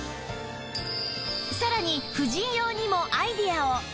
さらに婦人用にもアイデアを